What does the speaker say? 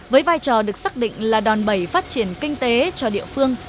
với vai trò được xác định là đòn bẩy phát triển kinh tế cho địa phương